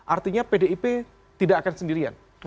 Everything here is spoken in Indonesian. artinya pdip tidak akan sendirian